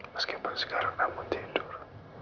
meskipun sekarang kamu tidur